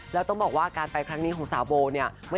แล้วต้องบอกว่าการไปครั้งนี้ของสาวโบเนี่ย